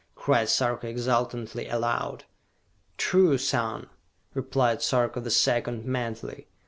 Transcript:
cried Sarka exultantly, aloud. "True, son!" replied Sarka the Second, mentally.